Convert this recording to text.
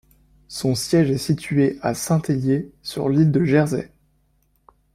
Son siège est situé à Saint-Hélier sur l'île de Jersey.